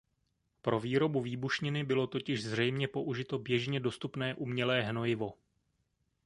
Pro výrobu výbušniny bylo totiž zřejmě použito běžně dostupné umělé hnojivo.